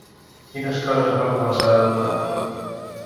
Quines coses va començar a evocar?